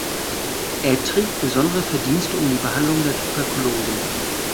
Er trägt besondere Verdienste um die Behandlung der Tuberkulose.